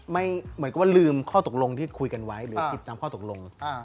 เหมือนกับว่าลืมข้อตกลงที่คุยกันไว้หรือผิดตามข้อตกลง